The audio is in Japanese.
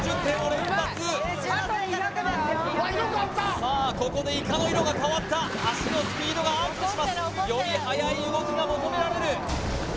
さあここでイカの色が変わった足のスピードがアップしますよりはやい動きが求められる！